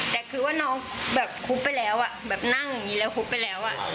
แต่คือว่าน้องแบบคุกไปแล้วแบบนั่งอย่างนี้แล้วคุกไปแล้ว